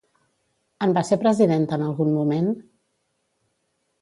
En va ser presidenta en algun moment?